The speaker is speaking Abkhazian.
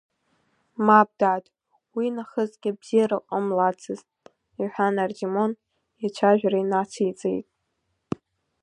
Мап, дад, уинахысгьы бзиарак ҟамлацызт, – иҳәан Ардимон, ицәажәара инациҵеит.